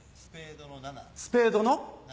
スペードの７。